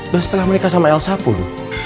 dan setelah menikah sama elsa pun